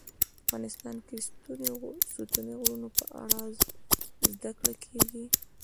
افغانستان کې د ستوني غرونه په اړه زده کړه کېږي.